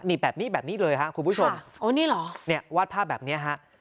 นี่แบบนี้แบบนี้เลยฮะคุณผู้ชมโอ้นี่เหรอเนี่ยวาดภาพแบบนี้ฮะ